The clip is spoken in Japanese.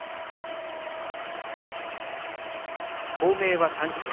公明は３議席。